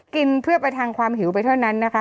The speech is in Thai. กินเพื่อประทังความหิวไปเท่านั้นนะคะ